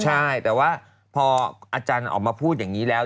ใช่แต่ว่าพออาจารย์ออกมาพูดอย่างนี้แล้ว